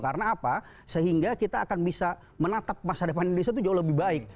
karena apa sehingga kita akan bisa menatap masa depan indonesia itu jauh lebih baik